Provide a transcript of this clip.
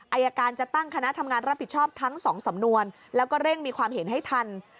อายการจะตั้งคณะทำงานรับผิดชอบทั้งสองสำนวนแล้วก็เร่งมีความเห็นให้ทัน